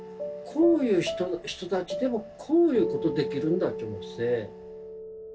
こういう人たちでもこういうことできるんだと思って。